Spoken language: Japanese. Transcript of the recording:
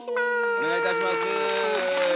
お願いいたします。